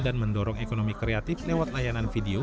dan mendorong ekonomi kreatif lewat layanan video